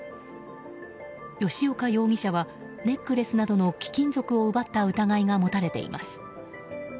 吉岡容疑者はネックレスなどの貴金属を奪った疑いが持たれています。